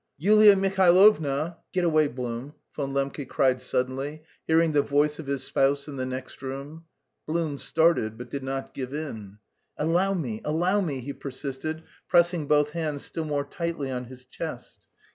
"Yulia Mihailovna! Get away, Blum," Von Lembke cried suddenly, hearing the voice of his spouse in the next room. Blum started but did not give in. "Allow me, allow me," he persisted, pressing both hands still more tightly on his chest.